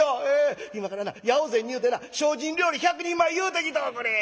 今からな八百善に言うてな精進料理１００人前言うてきとおくれ！」。